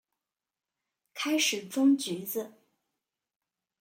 开始装橘子